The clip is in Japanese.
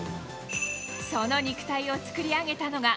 その肉体を作り上げたのが。